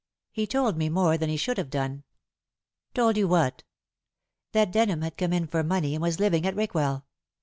He told me more than he should have done." "Told you what?" "That Denham had come in for money and was living at Rickwell.